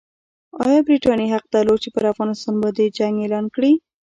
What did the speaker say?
ایا برټانیې حق درلود چې پر افغانستان باندې جنګ اعلان کړي؟